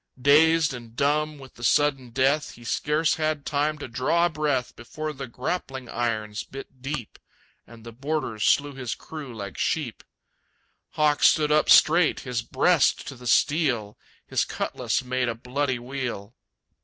Dazed and dumb with the sudden death, He scarce had time to draw a breath Before the grappling irons bit deep, And the boarders slew his crew like sheep. Hawk stood up straight, his breast to the steel; His cutlass made a bloody wheel.